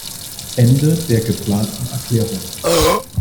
Ende der geplanten Erklärung.